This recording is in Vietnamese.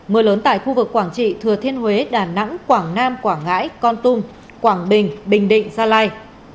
mưa lớn tại khu vực quảng trị thừa thiên huế đà nẵng quảng nam quảng ngãi con tum quảng bình bình định gia lai